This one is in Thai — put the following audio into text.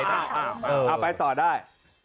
เอาไปต่อได้